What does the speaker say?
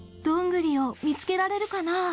どんぐりを見つけられるかな？